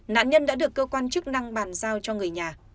nạn nhân đã được cơ quan chức năng bàn giao cho người nhà